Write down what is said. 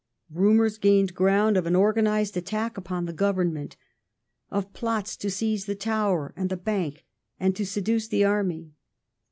Rumoui s gained ground of an organized attack upon the Govern ment; of plots to seize the Tower and the Bank, and to seduce the Army.